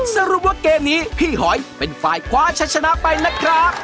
สรุปว่าเกมนี้พี่หอยเป็นฝ่ายคว้าชะชนะไปนะครับ